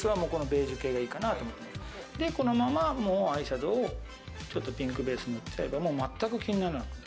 このままアイシャドウをちょっとピンクベースを塗っちゃえばもう全く気にならない。